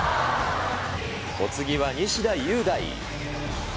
お次は西田優大。